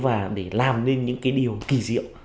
và để làm nên những cái điều kỳ diệu